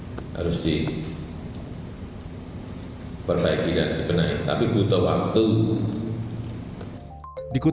ini harus diperbaiki dan dikenai tapi butuh waktu